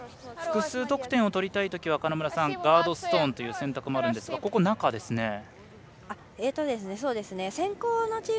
複数得点を取りたいときは金村さんガードストーンという選択もあるんですがここ、中ですね。